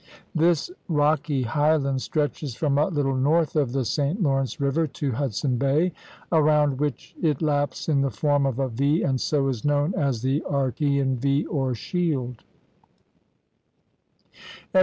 This rocky highland stretches from a little north of the St. Lawrence River to Hudson Bay, around which it laps in the form of a V, and so is known as the Archaean V or shield.